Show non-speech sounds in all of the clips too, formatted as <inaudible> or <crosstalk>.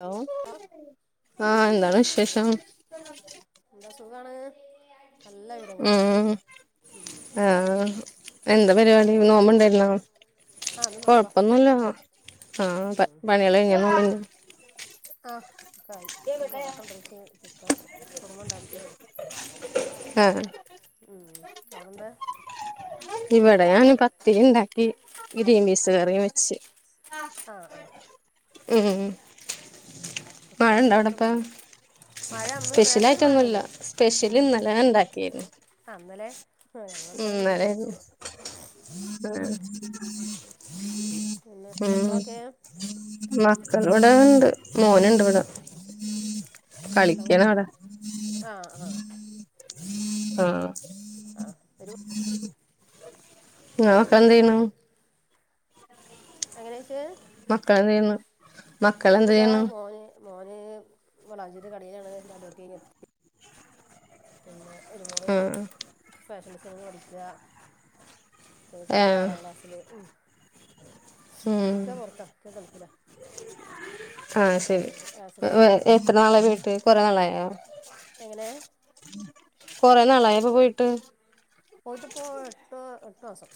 Hello ആഹ് എന്താണ് വിശേഷം എന്താ സുഖാണ് നല്ല വിവരങ്ങള് ഉം ഉം ആഹ് എന്താ പരിപാടി നിന്റെ വിവരങ്ങള് നോമ്പുണ്ടായിരുന്നോ. ആ ഇന്ന് നോമ്പാ കൊഴപ്പൊന്നുല്ല ആഹ് ഉം പണികള് <unintelligible> ആഹ് ഒക്ക ആയി ന പൊറോട്ട ഉണ്ടച്ച് ചിക്കൻ കുറുമ ഉണ്ടാക്കി ആഹ് ഉം അവിടെന്താ ഇവിടെ ഞാൻ പത്തിരി ഉണ്ടാക്കി ഗ്രീൻ പീസ് കറിയും വെച്ച് ആഹ് ആഹ് ഉം അപ്പ മഴ ഇണ്ടോ അവിടെപ്പ സ്പെഷ്യലായിട്ടൊന്നുമില്ല മഴ അന്ന് സ്പെഷ്യൽ നേരത്തെ ഒരു മഴ ആയിട്ടൊന്നുമില്ല പെയ്ത് സ്പെഷ്യല് ഇന്നലെ ഉണ്ടാക്കിനും അന്നലെ ഞങ്ങൊന്നല്ല വിജയനിച്ചു ഉം പിന്നെ മക്കളൊക്കെ മക്കൾ ഇവിടെ ഇണ്ട് മോനുണ്ട് ഇവിടെ കളിക്കണവിടെ <unintelligible> ആഹ് ആഹ് ആഹ് ആഹ് <unintelligible> നോക്കന്തന എങ്ങനേച്ചിയെ മക്കളെ എന്ത് ചെയ്യുന്നു മക്കളെന്ത് ചെയ്യുന്നു മോന് മോന് വളാഞ്ജി കടയിലാണ് എന്താലട്ടി പിന്നെ ഒരു മോള് ആഹ് ഫാഷൻ ഡിസൈനിങ്ങ് പഠിക്ക ചെറുതാ ഏഹ് ആറാം ക്ലാസ്സില് ഉം ഉം ഇക്ക പൊറത്താ ഇക്ക ഗൾഫിലാ. ആഹ് ശരി റാസൽ കൈമ അറിയും എത്ര നാളായി പോയിട്ട് കൊറെ നാളായോ എങ്ങനെ കൊറെ നാളായപ്പോ പോയിട്ട് പോയിട്ട്പ്പോ എട്ട് എട്ട് മാസം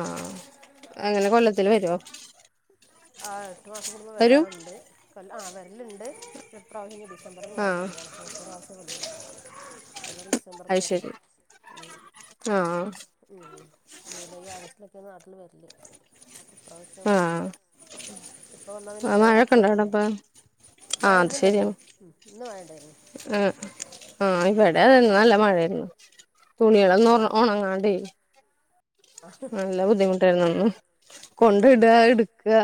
ആഹ് അങ്ങനെ കൊല്ലത്തില് വരുവോ ആഹ് എട്ടു മാസം കൂടുമ്പോ വരും വരാറുണ്ട് ആഹ് വരലുണ്ട് ഈ പ്രാവശ്യം ഇനി ഡിസം ഡിസംബർ മോളെ ആഹ് കല്യാണം അപ്പൊ ഈ പ്രാവശ്യം വന്നില്ല. ഏതായാലും ഡിസംബറിൽ അത് വര്ണ്ട്. ശരി ആഹ് ഉം ജൂലൈ ആഗസ്റ്റിലൊക്കെ നാട്ടില് വരല് ഇപ്രാവശ്യം. ആഹ് ഇപ്പ വന്നാൽ പിന്നെ ആഹ് എന്തായാലും മഴയൊക്കെ അപ്പ ഉണ്ടോ അവിടെ വരണ്ടേ? അപ്പൊ മഴ ആഹ് അത് ശരിയാണ് ഇന്നുണ്ടായിരുന്നു ഇന്ന് മഴ ഉണ്ടായിരുന്നു. ആഹ് ആഹ് ഇവിടെ ഇന്ന് നല്ല മഴയായിരുന്നു ആ തുണികളൊന്നു ആ ഉണങ്ങാണ്ട. <unintelligible> നല്ല ബുദ്ധിമുട്ടായിരുന്നുന്ന്. കൊണ്ട് ഇട എടുക്കുക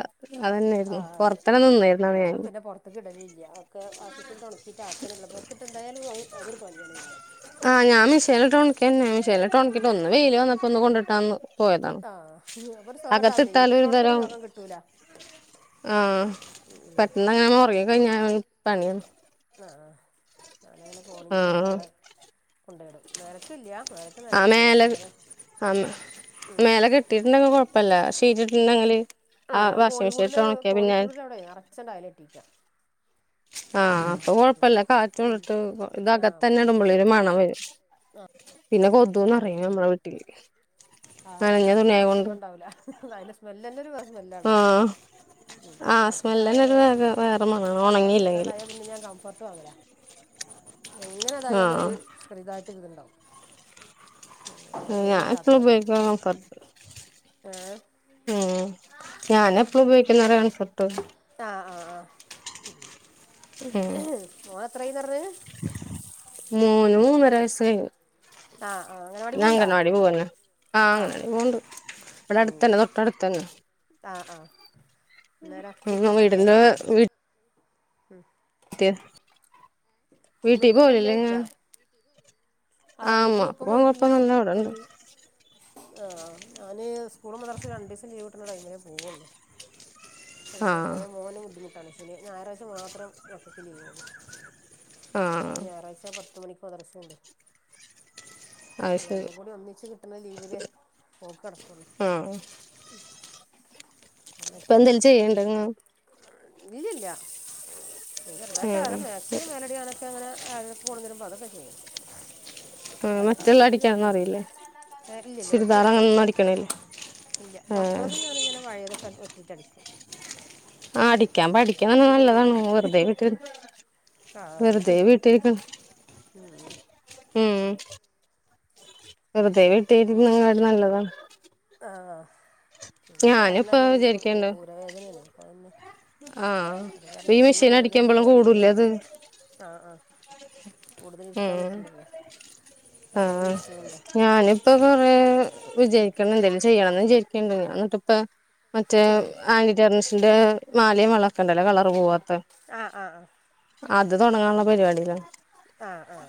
അത്തനെയായിരുന്നു പൊറത്താന് നിന്നേരുന്നത് ഞാൻ. അത് കിടലില്ല ഒക്കെ വാഷി്ഗ് മെഷീനിലി ട്ട് ഉണക്കിയിട്ട അകത്തെന്നെ ഇടലാ പുറത്തിട്ട എന്തായാലും അതൊരു പണിയാണ് പിന്നെ. ആഹ് ഞാൻ മേഷീനിലിട്ട് ഉണക്ക തന്നെ മിഷേനിലിട്ട് ഒന്ന് വെയില് വന്നപ്പോ ഒന്ന് കൊണ്ടിട്ടാന്ന്. പോയതാണ് ആഹ് അപ്പൊ ഒരു സുഖം ഇണ്ടാവൂല ഇരിക്ണോട്ത്തൊരു സുഖം കിട്ടൂല. ആഹ് പെട്ടെന്ന് അങ്ങനെ ഒറങ്ങി കഴിഞ്ഞ പണിയാ. ആഹ് ഞാനങ്ങനെ ആ കോണിൻ്റെ മേലെ അവിടെ കൊണ്ടോയിടും മേലക്കി ഇല്ല ആ മേലക്ക്നെലൊന്നുല്ല മേലെ പക്ഷെന്നാലും. കിട്ടുണ്ടെങ്കിൽ കുഴപ്പല്ല ശീട്ടിട്ടുണ്ടെങ്കില്. ആഹ് ഞാൻ കോണിക്കൂടില് കോണിക്കൂടിന്റവിടെ നറച്ചങ്ങട് അയാലെട്ടീക്ക. ആഹ് അപ്പൊ കൊഴപ്പല്ല കാറ്റ് കൊണ്ടിട്ട് ആ അപ്പം ഇതകത്തന്നെ അങ്ങനെ ഇടുമ്പള്ളെ ഒരു മണം വരും. പിന്നെ കൊതുന്നറയും നമ്മളെ വീട്ടില്. ആഹ്തന്നെ നനഞ്ഞ അത് തുണിയായോണ്ട് സുഖം ഉണ്ടാവൂല്ല അതിന്റെ സ്മെല് തന്നെ ഒരു സ്മെല്ലാണല്ലോ ആഹ ഉം വർഷക്കായൽ ഞാൻ ഉ വേറെ മണാണ് ഒണങ്ങിയില്ലെങ്കില് വർഷക്കല്ലായാൽ പിന്നെ ഞാൻ കംഫർട്ട് വാങ്ങലാ. എങ്ങനെതായാലും ആഹ് ഒരു ചെറുതായിട്ടൊര് ഇതിണ്ടാവും. ഞാൻ വെയിലിട്ടാത്തതല്ലേ? <unintelligible> ഏ ഉം ഞാന എപ്പളും ഉപയോഗിക്കുന്നതാ കംഫർട്ട്. ആ ആഹ് ആഹ മോൾ എത്രായിന്ന പറഞ്ഞെ? മൂന്ന് മൂന്നര വയസ്സ്. ആഹ് ആഹ് അംഗനവാടി ഓൻ പോണുണ്ടാ അംഗണവാടി പോവന്നെ ആഹ് അങ്ങനവാടി പോവണ്ട് ഇവിടെ അടുത്ത് തന്നെ തൊട്ടടുത്ത് തന്നെ. ആ ആ ഉം <unintelligible> <unintelligible> ഉം ഇ <unintelligible> ഉമ്മേം ഉപ്പേക്കല്ലേ വിട്ടീപോയിലെ ഇന്ന്? ചോദിക്കാ ആ വീട്ടിക്ക് ഇപ്പൊ പോവാൻ പോയിട്ടില്ല കൊഴപ്പൊന്നുല്ല ഇപ്പൊ? ഇവിടെണ്ട് ആഹ ഞാന് സ്കൂളും മദ്രസും രണ്ടു ദിവസം ലീവ് കിട്ടണ ടൈമിനേ പോവുള്ളു. അലാതെ ആഹ് പോയ മോന് ബുദ്ധിമുട്ടാണ് ശനി ഞായറാഴ്ച മാത്രം മക്കൾക്ക് ലീവൊള്ളു. ആഹ് അത് ഞായറാഴ്ച പത്ത് മണിക്ക് മദ്രസ്ണ്ട്. അത് ശരി രണ്ടും കൂടി ഒന്നിച്ച് കിട്ടണ ലീവിലേ പോക്ക് നടക്കുള്ളു. ആഹ് ഇപ്പൊ അങ്ങനൊക്കെയാണ്. എന്തേലും ചെയ്യണ്ടങ്ങ് ഇല്ലില്ല ചെറുതായിട്ട് ആടെ ആഹ് മാച്ച് <unintelligible> ചെയ്യും. ആഹ് അല്ലാതെ മറ്റുള്ള കാര്യമായിട്ട് അടിക്കാനൊന്നും ജോലിയൊന്നും അറിയില്ലേ ഇല്ലല്ല വെട്ടി ചുരിദാർ അടിക്ക അങ്ങനൊന്നും അറിയില്ല. അടിക്കണില്ലേ പില്ല ആഹ് മക്കളത് ഞാനിങ്ങനെ പഴയ തൊക്കെ വെട്ടിട്ടടിക്കും. ആ അടിക്കാൻ പഠിക്ക്ണത് നല്ലതാണ് വെറുതെ വീട്ടി വെറുതെ വീട്ടിരിക്ക മ് മ് ഉം വെുതെ വീട്ടരിക്ക് ണേക്കാളും നല്ലതാണ്. ആഹ പിന്നെ ഞാനിപ്പ പറഞ്ഞത് ഇനിക്ക് വിചാരിക്കണ്ട് ഊരവേദനയാണ് അപ്പന്ന്. ആഹ് അതപർഞ്ഞ് ഈ സിമ്മെ മെഷീൻ അടിക്കുമ്പോഴും കൂട്തലിര്ക്കാനും പറ്റൂല കൂടൂലേ അത് അ അ കൂട്തൽ ഇര്ക്കാൻ ഉം പറ്റ്ലല്ലേ അങ്ങനൊര് ഷയുണ്ട്. ഇപ്പൊ കൊറേ വിചാര്ക്കണ് ന്തെങ്കിലും ചെയ്യണംന്ന് വിചാര്ക്ക്ണ്ട്. ഞാന്നിട്ട് പ്പ മറ്റേ ആന്റി റ്റാർനിഷിന്റെ മാലിം വളൊക്കണ്ടല്ലോ കളർ പോവാത്ത ആഹ് ആഹ് അത് തൊട്ങ്ങാള്ള പരിപാടീല. അ അ.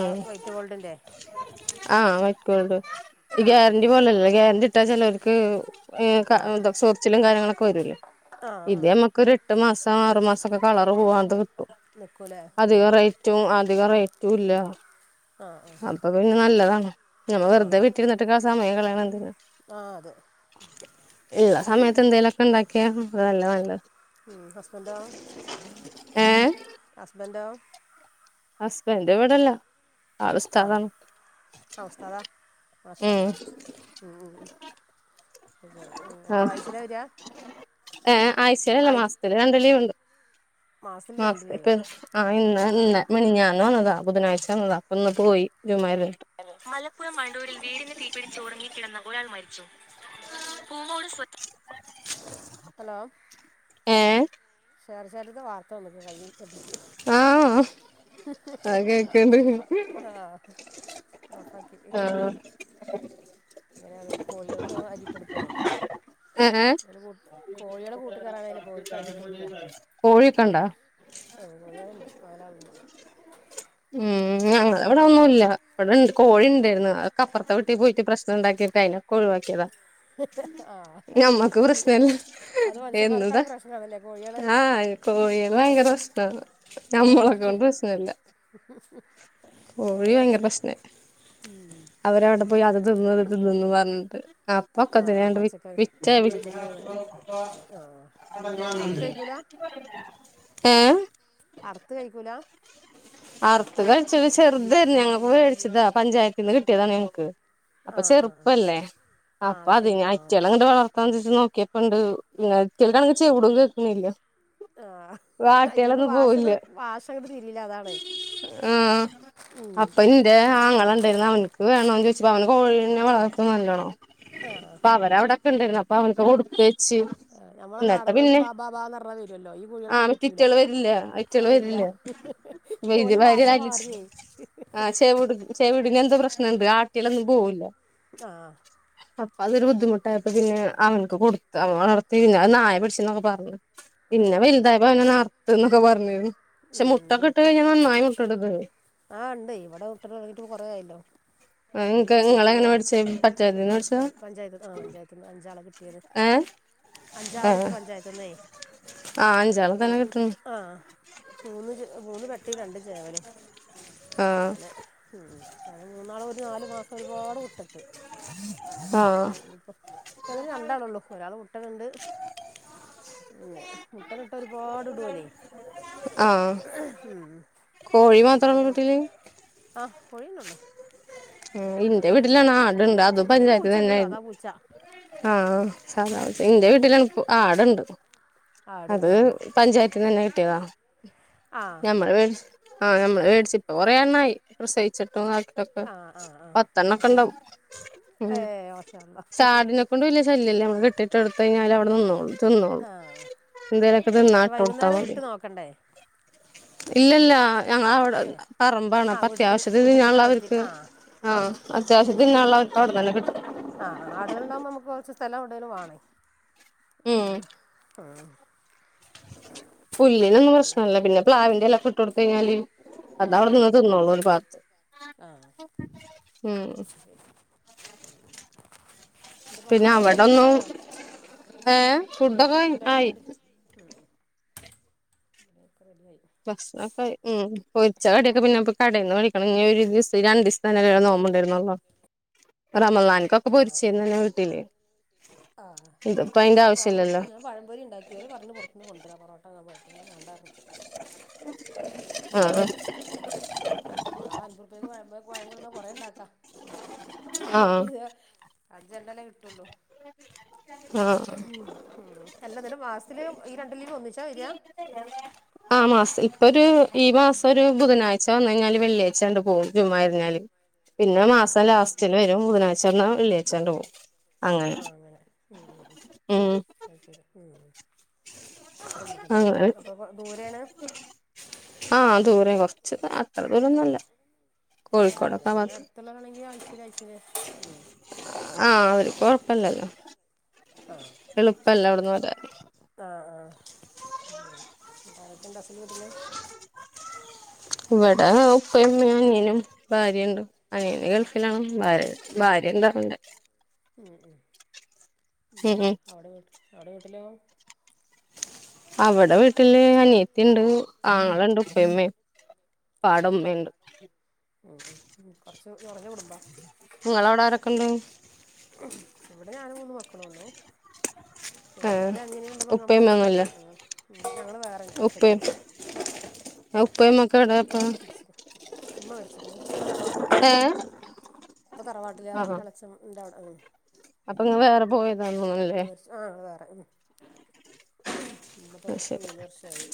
അ വൈറ്റ് ഗോൾഡിൻ്റെ? ആ വൈറ്റ്ഗൊൾട്. ഇ ആഹ് ഗ്യാര്ന്റി പോലല്ല ഗ്യാര്ന്റിട്ടാ ചെലോര്ക്ക് ഈ ക ആഹ് ത ആഹ് ചൊർച്ചിലും കാര്യങ്ങളൊക്കെ വരൂലെ ആഹ് ഇത് ആഹ് നമ്മക്കൊരു എട്ട് മാസ് ആറു മാസൊക്കെ കളർ പോവാന്ത് കിട്ടും. നിൽക്കൂലേ അധിക ഉം റേറ്റും അ അധിക റേറ്റൂല്ല. ആഹ് ആഹ് അപ്പ പിന്നെ നല്ലതാണ്. നമ്മ വെർതെ വീട്ടിര്ന്ന ട്ട്ക സമയങ്കളയ്ണെന്തിനാ. ആ അതെ. ന്തൊക്കെ? ല്ല നല്ല മ് ഹസ്ബന്റോ ഏഹ് ഹസ്ബന്റോ? ഹസ്ബൻഡ് ഇവിടല്ല. ആ അ ഉസ്തദാ മാശാ അള്ളാ. ഉം മ് മ് അപ്പ ആയ്ച്ല വരാ? ഏ ആയ്ചേലല്ല. മാസ്ത്തില് രണ്ട് ലീവ്ണ്ട്. മാസത്തിൽ അ രണ്ട് ലീവ് <unintelligible> ആ ഇന്ന് അപ്പം ഇന്ന് മിനഞ്ഞാന്ന് വന്നതാ ബുധനാഴ്ച. ഉം വപ്പങ്ങട്ട് പോയി ജുമാര്ഞ്ഞ്ട്ട്. ഹലോ ഹലോ ഏ ശാര്ശാര്ത്തെ വാർത്തല്ലത് കയ്യ് ആഹ് ആ <unintelligible> കേക്കണ്ട് <inaudible> ആഹ് ഓഫാ ആഹ് ഇങ്ങനെ <unintelligible> കോയേൾക്ക് അരിട്ടൊട്ക്കാണേ. ഏ ഇങ്ങനെ കൂ കോഴ്യാള് കൂട്ട് കെറാനായ്ലെ അപോൽക്കരിട്ടൊട്ക്ക. കോഴിയൊക്കെണ്ടാ ആഹ് കോയാള്ണ്ട് നാലാള്ണ്ട്. ഉം ഞങ്ങ ഇവടെന്നുല്ല. വടെണ്ട് കോഴി ണ്ടായ്ര്ന്ന് അക്കെപ്പർത്തെ വീട്ടീ പോയ്ട്ട് പ്രശ്നണ്ടാക്കീട്ട് അയ്നൊക്കൊഴ് വാക്ക്യത. ആഹ് പ്രശ്നല്ല അത് മൻഷ്യന്മാരക്കായ് പ്രശ്നാണ്ല്ലേ കോഴ്യേള്. കോയേള് ഭയങ്കരെശ്നാണ് ആഹ് ഞമ്മളെക്കൊണ്ട് പ്രശ്നല്ല. കോഴി അതെ ഉം അവരവടെ പോയ് അത് തിന്ന് ഇത് തിന്ന്ന്ന് പർഞ്ഞ്ട്ട്. ആഹ് അപ്പൊക്കത്തിനാണ്ട് വിറ്റ് പച്ചക്കറി വിറ്റ വിറ്റ് പച്ചക്കറി ആഹ് അറുത്ത് കഴിക്കൂല ഏഹ് അർത്ത് കയ്ക്കൂല? അർത്ത് കഴിച്ചത് ചെർതേര്ന്ന് ഞങ്ങക്ക് വേട്ച്ചതാ പഞ്ചായത്തിന്ന് കിട്ട്യതാണ് ഞങ്ങക്ക്. അപ്പ ആഹ് ആഹ് ആഹ് ചെർപ്പല്ലേ ആഹ് അപ്പ അത് ശരി അതിന് ആഹ് അയ്റ്റേളങ്ങണ്ട് വളർ ത്താൻ <unintelligible> നോക്ക്യപ്പണ്ട് അയ്റ്റേകാണെങ്കി ചൗടും കേക്ക്ണില്ല. ആഹ് അയ്റ്റേൾക്ക് വാഷണ്ട് പോവില്ല വാശങ്കണ്ട് തിരില്ല അതാണ്. ആഹ് ഉം അപ്പ ഇൻ ന്റെ ആങ്ങളണ്ടേര്ന്ന് അവൻക്ക് വേണോ ചോയ്ചപ്പ അവൻ കോഴീനെ വളർത്തും നല്ലോണം. ആഹ് അവരവ്ടെക്കണ്ടേര്ന്ന് അപ്പ അവൻക്ക് കൊട്ത്ത് ഞമ്മളെ നാടൻ കോയാള് ബാ ബാ ബാന്നർഞ്ഞാ വെരൊല്ലോ ഈ ആ കൊയാൾകത് പറ്റൂല മറ്റിറ്റള് വരില്ല അ അയിറ്റള് വെര്ല്ല. ഓല് ഭാശ മാറ്യെ. ആഹ് ചെവ്ട് ചെവ്ടിനെന്തോ പ്രശ്നണ്ട് ആട്ട്യലൊന്നും പോവുല്ല. ആഹ് അപ്പതൊരു ബുദ്ധിമുട്ടായപ്പോ പിന്നെ അവന് ക്ക് കൊടുത്ത് അവൻ വളർത്തി പിന്നെ നായ പിടിച്ച്ന്നൊക്കെ പറിണ് പിന്നെ വെൽതായപ്പോ അവനെന്നർ ത്ത് ന്നൊക്കെ പർഞ്ഞിണ്. ഉം <unintelligible> <unintelligible> മായിക്കട്ത് ആഹ് ഇണ്ടെയ് ഇവടെ മുട്ട ടെലൊട്ങ്ങിട്ട് പ്പോ കൊറേ ആയല്ലോ ഇവട്ത്തെ നിങ്ങക്ക് കിട്ടിട്ട് ഒര് നിങ്ങളെങ്ങനെ വർഷ മേടിച്ചേ ഒരു പഞ്ചായത്തിന്ന് മേടിച്ചതാ വർഷായി പഞ്ചായത്ത് ആഹ് പഞ്ചായത്ത്ന്ന് അഞ്ചാളെ കിട്ട്യെത്. ഏ അഞ്ചാളെ കിട്ടി പഞ്ചായത്ത്ന്നെ ആഹ് അഞ്ചാളെ തന്നെ കിട്ട്ണ്. ആഹ് മൂന്ന് ചെ മൂന്ന് പട്ടിം രണ്ട് ചേവലും ആ അങ്ങനെ ഉം ഞാന് മൂന്നാള് ഒരു നാല് മാസം ഒരുപാട് മുട്ടട്ട് ആ <unintelligible> പ്പം അങ്ങനെ രണ്ടാളുണ്ട് ഒരാള് മുട്ടട്ണ്ട് പിന്നെ മുട്ട <unintelligible> ഒരുപാട് ഇടോള് ആ ഉം കോഴി വല്യ മാത്രാണോ വല്യ മുട്ടിം വീട്ടില് ആഹ് <unintelligible> ഇന്റെ വീട്ടിലാണ് ആട് ണ്ട് അത് പിന്നൊരു പൂച്ചയുണ്ട് പഞ്ചായത്ത്ന്നെനെ സാധാ പൂച്ച ആഹ് സാധാ <unintelligible> ഇന്റെ വീട്ടില് പ്പോ ആട് ണ്ട് ആട് അത് ഉം പഞ്ചായത്ത്ന്ന്ന്നെ കിട്ട്യതാ ആ ഞമ്മള് ആ നമ്മള് വേടിച്ച് പ്പൊ കൊറേ എണ്ണായി പ്രസയിച്ചിട്ടും <unintelligible> ട്ടും. ആഹ് ആഹ് ഏയ് മാഷാ അള്ളാ. ന്നെക്കൊണ്ട് വല്യ ശല്ല്യം ഇല്ല. കെട്ടിടു കൊടുത്താൽ അവടെ നിന്നോള്ളും. നിന്നോള്ളും. ആ എന്തേലൊക്കെ തിന്നാൻ പക്ഷെ ഇട്ടു കൊടുത്താ വൈകുന്നേരം മതി. വിട്ട് നോക്കണ്ടേ ഇല്ലല്ല. ഞങ്ങവടെ ആ പറമ്പാണ് ആ അപ്പ വീട്ടിൽ തന്നെ അത്യാവശ്യത്തിന് വീട്ടിൽ തന്നെ തിന്നാനുള്ള നിർത്തി അവർക്ക് ആ ആ ആഹ് അത്യാവശ്യം തിന്നാള്ളുതൊക്കെ അവർക്ക് അവടെന്നന്നെ കിട്ടും. അ ആഹ് ആടുകളുണ്ടാകുമ്പോൾ നമ്മക്ക് കൊറച്ച് സ്ഥലം എവടെലും വേണേ. ഉം പുല്ലിനൊന്നും പ്രശ്നല്ല. പിന്നെ പ്ലാവിന്റെ എലക്കെ ഇട്ടു കൊടുത്ത് കഴിഞ്ഞാല് ആ ആ അതവടെ നിന്ന് ആ തിന്നോള്ളൂം ഒരു ഭാഗത്ത് ഉം ഇന്ന്ട്ടക്കെ ആയോ ഫുഡൊക്കെ ആയോ? ഏഹ് ഫുഡൊക്കെ ആയി. ഉംഹ് ഒക്കെ റെഡി ആയി. ഭഷ്ണക്കെ ആയി. ഉം പൊരിച്ച കടിക്കെ പിന്നെ ഇപ്പ കടേന്ന് വെടിക്കണേങ്ങി ഇനി ഒരു ദിവ ഈ രണ്ടിസം തന്നെ നോമ്പ് ഇണ്ടരുന്നള്ളോ. റമദാൻക്കൊക്കെ ആഹ് പൊരിച്ചിരുന്ന്ന്നെ വീട്ടീല്. ആഹ് ഞാൻ ആവശ്യല്ലല്ലോ വറപൊരി പഴംപൊരി ഇണ്ടാക്കി. ഇവര് പറഞ്ഞു പൊറ ത്തുന്ന് കൊണ്ടുവരാ പൊറട്ടോന്നും <unintelligible> വേണ്ടാർന്നു പഴംപൊരി ആ ഇണ്ടാക്കിവെക്ക്. ഉം ആ അഞ്ചുറുപ്യക്ക് പഴംപൊ പഴം കൊണ്ടന്ന കൊറേ ഇണ്ടാക്കാം. ആ മറ്റേത് അഞ്ചെണ്ണെല്ലേ കിട്ടുള്ളൂ. ആഹ് ഉം ഉം അല്ലാ എന്നിട്ട് മാസത്തില് ഈ രണ്ട് ലീവ് ഒന്നിച്ചാ വരാ? ആ മാസത്തില്. ഇപ്പൊരു ഈ മാസം ഒരു ബുധനാഴ് ച വന്ന് കഴിഞ്ഞാല് വെള്ളിയാഴ്ച്ചാണ്ട് പോവും ജുമ്മാ കഴിഞ്ഞാല്. പിന്നെ ആഹ് മാസം ലാ സ്റ്റില് വരും ബുധനാഴ്ച വന്നാ വെള്ളിയാഴ്ച്ചാണ്ട് പോവും. ആഹ് അങ്ങനെ. ഉം ഉം ഉം ആഹ് ശരി. അത്രേ ഉള്ളൂ പറ്റിയത് അപ്പോ ദൂരെണ്? ആഹ് ദൂരെ കൊറച്ച് അത്ര ദൂരൊന്നല്ല. അതുകൊണ്ടാണല് പിന്നെ അടുത്തുള്ളതാണെങ്കില് ആഴ്ചേല് അഴ്ചേല് ഉം ആഹ് അവര്ക്ക് നിക്കല്ലോ കൊഴപ്പില്ലല്ലോ. ആഹ് എളുപ്പല്ല അവട്ന്ന് വരാൻ. ആഹ് ആഹ്. എന്ത ആരൊക്കെണ്ട് അസ്ന്റെ വീട്ടില്? ഇവടെ ഉപ്പേം ഉമ്മേം അനിയനും ഭാര്യേണ്ട്. അനിയന് ഗൾഫിലാണ് ഭാര്യ ഭാര്യണ്ടവന്റെ. ഉം ഉം അവടെ വീട്ടി അവടെ വീട്ടിലോ? അവടെ വീട്ടില് അനിയത്തിണ്ട് ആങ്ങളണ്ട് ഉപ്പേം ഉമ്മേം ഉപ്പാടുമ്മേണ്ട്. ഉം ഉം കുറച്ച് ഒരൊറഞ്ഞ കുടുമ്പാ. നിങ്ങളവടെ ആരൊക്കെണ്ട്? ഇവടെ ഞാനും മൂന്ന് മക്കളുള്ളു. പിന്നെ ഏഹ് ഒരു അനിയന് രണ്ട് പൊങ്ങമാരൊക്കെണ്ട്. ഉപ്പയുമ്മയൊന്നുല്ലേ ഞങ്ങള് വേറെന്നെ ഒറ്റക്കാ. ആ ഉപ്പേം ഉമ്മെക്കെവിടെ? ആഹ് ഉമ്മ മരിച്ച്ക്ക്ണ്. ഉപ്പ തറവാട്ടില്. ഏഹ് ഉം ഇപ്പ തറവാട്ടിൽ റെ ആഹ് ഇളച്ചൻ ഉണ്ടവടെ. അപ്പൊ ഇങ്ങള് വേറെ പോയതാന്ന് ഉം തോന്ന്ണല്ലേ ആഹ് വേറെ ഉം ഉം ഉപ്പ അത് മരിച്ചിട്ട് ശരി മൂന്ന് വർഷായി.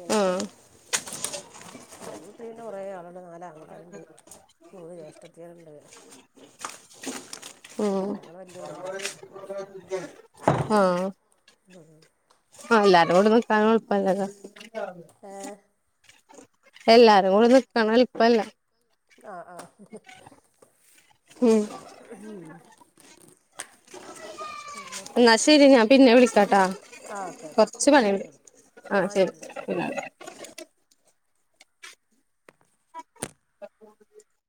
അങ്ങനൊക്കെ. ആഹ് എന്റെ വീട്ടില് പിന്നെ കുറേ ആള്ണ്ട്. നാലാങ്ങളാരുണ്ട്. മൂന്ന് ജ്യേഷ്ഠത്തിയാരുണ്ട്. ഉം ഞങ്ങൾ വലിയ കുടുംബാ ഉം ആഹ് എല്ലാരുടെ കൂടെ നിക്കാനും എൾപല്ലല്ല. ഏഹ് എല്ലാരും കൂടെ നിക്കാന് എളുപ്പല്ല. ആഹ് ആഹ് ഉം അതെ പിന്നെ ന്ന ശരി ഞാൻ പിന്നെ വിളിക്കാട്ടാ ആ ഓക്കെ കൊർച്ച് ഓക്കെ ആ പണിണ്ട് ശരി ആ ആഹ് ശരി ശെരി <inaudible>